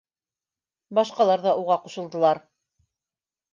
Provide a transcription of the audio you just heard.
Башҡалар ҙа уға ҡушылдылар.